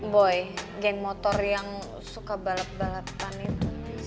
boy geng motor yang suka balet baletan itu